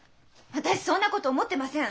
私そんなこと思ってません。